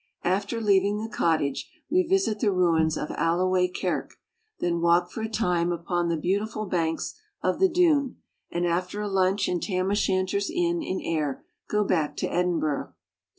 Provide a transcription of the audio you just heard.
After leaving the cottage we visit the ruins of Alloway kirk, then walk for a time upon the beautiful banks of the Doon, and Where Burns was born. after a lunch in Tam O'Shanter's Inn in Ayr, go back to Edinburgh.